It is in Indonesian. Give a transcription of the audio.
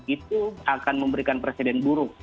itu akan memberikan presiden buruk